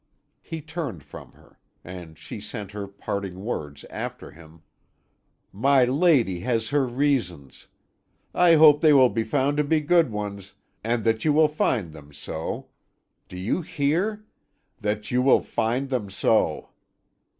He turned from her, and she sent her parting words after him: "My lady has her reasons! I hope they will be found to be good ones, and that you will find them so. Do you hear? that you will find them so!"